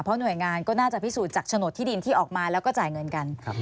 เพราะหน่วยงานก็น่าจะพิสูจน์จากโฉนดที่ดินที่ออกมาแล้วก็จ่ายเงินกัน